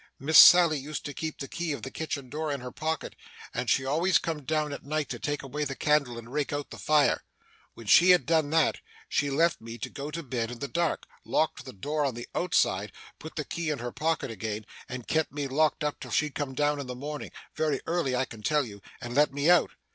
Miss Sally used to keep the key of the kitchen door in her pocket, and she always come down at night to take away the candle and rake out the fire. When she had done that, she left me to go to bed in the dark, locked the door on the outside, put the key in her pocket again, and kept me locked up till she come down in the morning very early I can tell you and let me out.